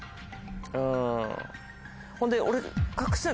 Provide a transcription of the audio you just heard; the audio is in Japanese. うんほんで俺。